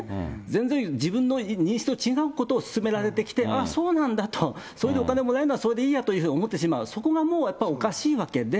全然、自分の認識と違うことを勧められてきて、そうなんだと、それでお金をもらえれば、それでいいやというふうに思ってしまう、そこがもうおかしいわけで。